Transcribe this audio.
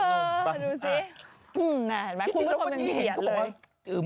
แม็กซ์ชีวิตมันเห็นเลย